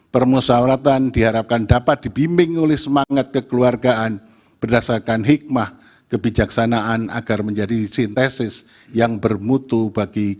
permusawaratan diharapkan dapat dibimbing oleh semangat kekeluargaan berdasarkan hikmah kebijaksanaan agar menjadi sintesis yang bermutu bagi kita